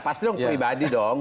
pasti dong pribadi dong